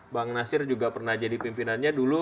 bang nasir juga pernah jadi pimpinannya dulu